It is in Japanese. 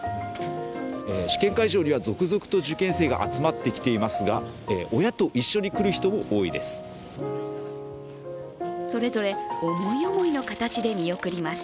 試験会場には続々と受験生が集まってきていますが親と一緒に来る人も多いです。